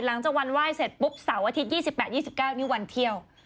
หลังจากวันไหว้เสร็จปุ๊บเสาร์อาทิตย์๒๘๒๙นี่วันเที่ยว